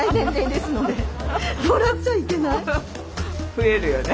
増えるよね。